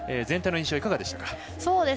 全体の印象はいかがでしたか？